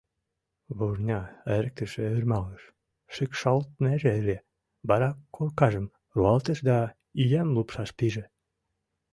Вурня эрыктыше ӧрмалгыш, шикшалтнеже ыле, вара коркажым руалтыш да иям лупшаш пиже.